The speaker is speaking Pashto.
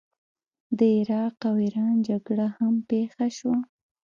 د عراق او ایران جګړه هم پیښه شوه.